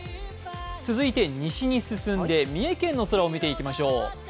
続いて西に進んで三重県の空を見ていきましょう。